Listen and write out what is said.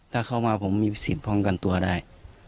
ถ้าเข้ามาผมมีศีลพองกันตัวได้